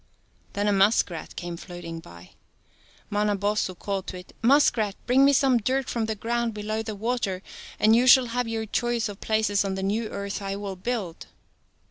Then a muskrat came floating by. Manabozho called to it, " Muskrat, bring me some dirt from the ground below the water and you shall have your choice of places on the new earth I will build."